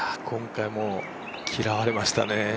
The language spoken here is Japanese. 今回も嫌われましたね。